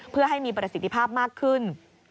เพื่อให้มีประสิทธิภาพมากขึ้น